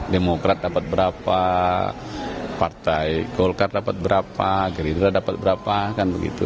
demokrat dapat berapa partai golkar dapat berapa gerindra dapat berapa kan begitu